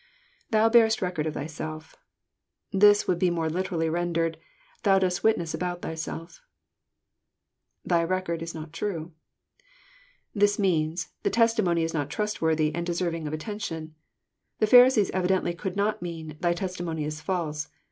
IThou barest record of thyself.'} This would be more literally rendered, thou dost witness about thyself." [^Thy record is not true.} This means, —" thy testimony is not trustworthy, and deserving of attention." The Pharisees evi dently could not mean "thy testimony is false."